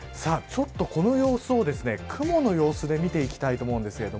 この様子を雲の様子で見ていきたいと思います。